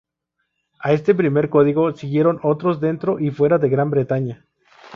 A este primer código siguieron otros, dentro y fuera de Gran Bretaña.